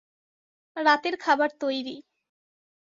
রাতের খাবার তৈরি।